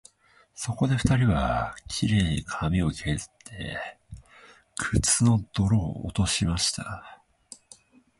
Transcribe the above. そこで二人は、綺麗に髪をけずって、靴の泥を落としました